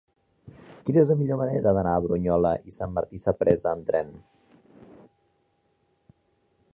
Quina és la millor manera d'anar a Brunyola i Sant Martí Sapresa amb tren?